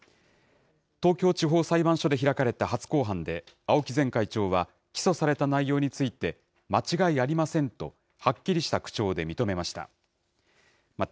東京地方裁判所で開かれた初公判で、青木前会長は、起訴された内容について、間違いありませんと、はっきりした口調で認めました。